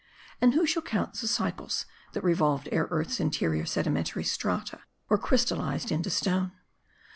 And who shall count the cycles that revolved ere earth's interior sedimen tary strata were crystalized into stone.